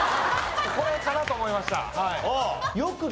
これかなと思いました。